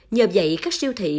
nhờ vậy các siêu thị